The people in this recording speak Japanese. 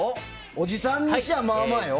おじさんにしちゃ、まあまあよ。